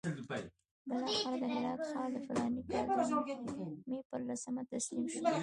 بالاخره د هرات ښار د فلاني کال د مې پر لسمه تسلیم شو.